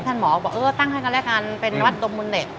หมอบอกเออตั้งให้กันแล้วกันเป็นวัดดมมึงเด็ก